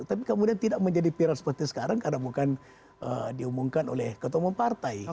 tapi kemudian tidak menjadi viral seperti sekarang karena bukan diumumkan oleh ketua umum partai